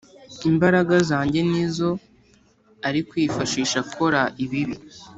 Imbaraga zanjye nizo ari kwifashisha akora ibibi